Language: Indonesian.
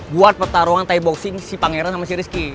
buat pertarungan ty boxing si pangeran sama si rizky